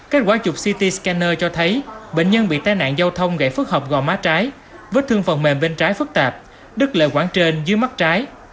các quá chục ct scanner cho thấy bệnh nhân bị tai nạn giao thông gãy phức hợp gò má trái vứt thương phần mềm bên trái phức tạp đứt lệ quảng trên dưới mắt trái